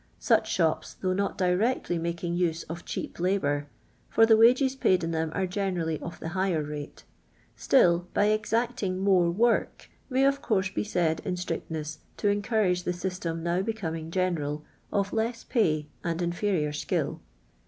Smh j hiip !. though not directly n.'aking use of che:jji lab. or (for the wages paid in them arc genenills of ilu* hiuhor nite^, sti.l, by exacting more work, may of course be 6;ud, in sirictne&s, to encourage the kysteni now becoming general, «tf less pay and inferior skill.